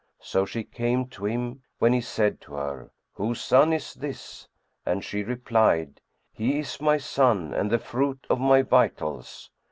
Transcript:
So she came to him, when he said to her, "Whose son is this?"; and she replied, "He is my son and the fruit of my vitals."